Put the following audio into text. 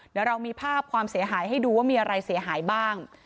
เดี๋ยวเรามีภาพความเสียหายให้ดูว่ามีอะไรเสียหายบ้าง